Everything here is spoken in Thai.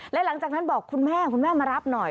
และหลังจากนั้นบอกคุณแม่คุณแม่มารับหน่อย